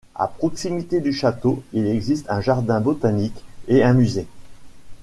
À proximité du château, il existe un jardin botanique et un musée.